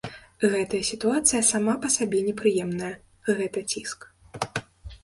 Гэтая сітуацыя сама па сабе непрыемная, гэта ціск.